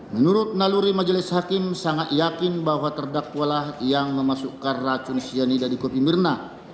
menurut naluri majelis hakim sangat yakin bahwa terdakwalah yang memasukkan racun cyanida di kopi mirna